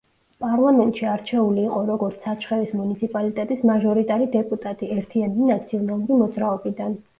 პარლამენტში არჩეული იყო როგორც საჩხერის მუნიციპალიტეტის მაჟორიტარი დეპუტატი ერთიანი ნაციონალური მოძრაობიდან.